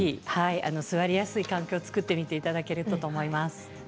座りやすい環境を作っていただければと思います。